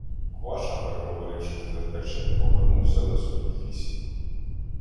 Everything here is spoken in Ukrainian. Кваша, переговоривши з Деркачем, повернувся до своїх лісів.